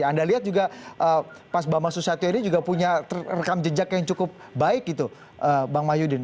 anda lihat juga mas bambang susatyo ini juga punya rekam jejak yang cukup baik gitu bang mahyudin